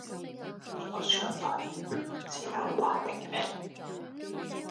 呢個輸入法唔支援橫屏嘅咩？